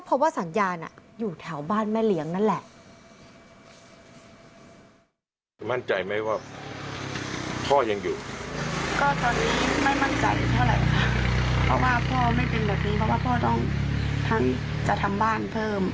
เพราะว่าพ่อไม่เป็นแบบนี้เพราะว่าพ่อต้องทั้งจะทำบ้านเพิ่ม